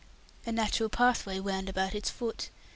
A natural pathway wound about its foot.